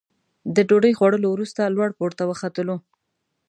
د ډوډۍ خوړلو وروسته لوړ پوړ ته وختلو.